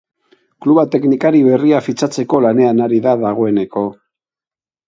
Kluba teknikari berria fitxatzeko lanean ari da dagoeneko.